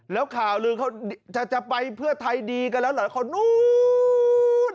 แล้วข่าวลือเขาจะไปเพื่อไทยดีกันแล้วเหรอคนนู้น